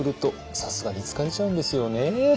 さすがに疲れちゃうんですよね。